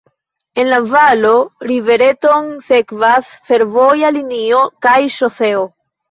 En la valo la rivereton sekvas fervoja linio kaj ŝoseo.